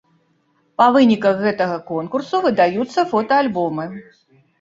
Па выніках гэтага конкурсу выдаюцца фотаальбомы.